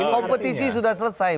kompetisi sudah selesai